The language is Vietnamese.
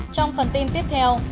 trong phần tin tiếp theo